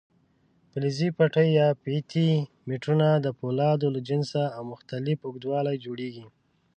فلزي پټۍ یا فیتې میټرونه د فولادو له جنسه او مختلف اوږدوالي جوړېږي.